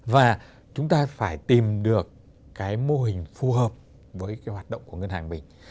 và chúng ta phải tìm được cái mô hình phù hợp với cái hoạt động của ngân hàng mình